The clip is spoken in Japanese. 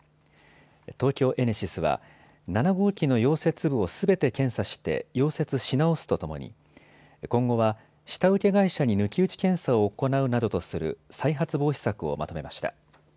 東京エネシスは７号機の溶接部をすべて検査して溶接し直すとともに今後は下請け会社に抜き打ち検査を行うなどとする再発防止策をまとめました。